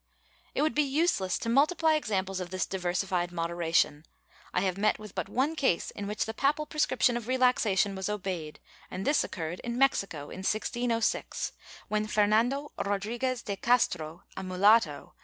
^ It would be useless to multiply examples of this diversified moderation. I have met with but one case in which the papal prescription of relaxation was obeyed and this occurred in Mexico, m 1606, when Fernando Rodriguez de Castro, a mulatto, was > Bibl.